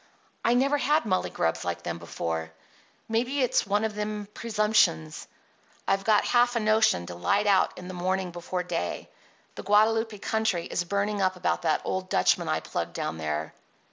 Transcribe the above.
I never had mullygrubs like them before. Maybe it's one of them presumptions. I've got half a notion to light out in the morning before day. The Guadalupe country is burning up about that old Dutchman I plugged down there."